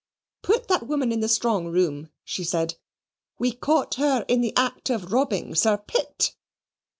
"Put that woman in the strong room," she said. "We caught her in the act of robbing Sir Pitt.